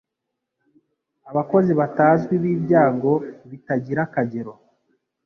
Abakozi batazwi b'ibyago bitagira akagero